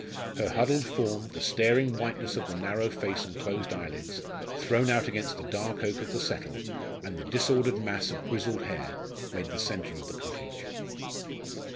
Her huddled form, the staring whiteness of the narrow face and closed eyelids, thrown out against the dark oak of the settle, and the disordered mass of grizzled hair, made the centre of the cottage.